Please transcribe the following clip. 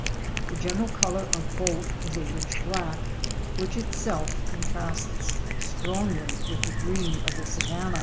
The general color of both is a rich black, which itself contrasts strongly with the green of the savanna.